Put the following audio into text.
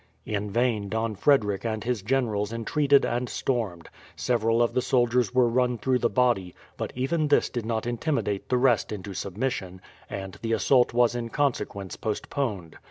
In vain Don Frederick and his generals entreated and stormed. Several of the soldiers were run through the body, but even this did not intimidate the rest into submission, and the assault was in consequence postponed.